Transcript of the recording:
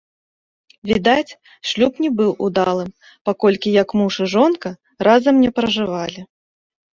Відаць, шлюб не быў удалым, паколькі як муж і жонка разам ня пражывалі.